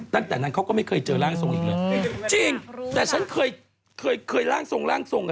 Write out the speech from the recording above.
ตั้งแต่นั้นเขาก็ไม่เคยเจอร่างทรงอีกเลยจริงแต่ฉันเคยเคยร่างทรงร่างทรงอ่ะ